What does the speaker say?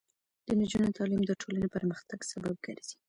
د نجونو تعلیم د ټولنې پرمختګ سبب ګرځي.